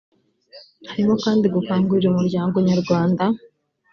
harimo kandi gukangurira umuryango nyarwanda